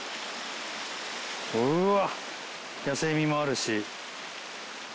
うわっ野性味もあるし。